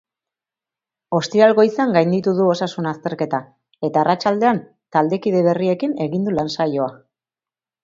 Ostiral goizean gainditu du osasun-azterketa, eta arratsaldean taldekide berriekin egin du lan-saioa.